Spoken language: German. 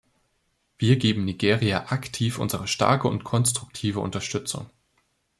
Wir geben Nigeria aktiv unsere starke und konstruktive Unterstützung.